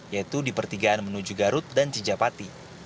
yaitu di pertigaan menuju garut dan cijapati